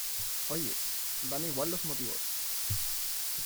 oye, dan igual los motivos